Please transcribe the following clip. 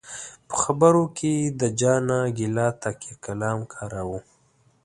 په خبرو کې یې د جانه ګله تکیه کلام کاراوه.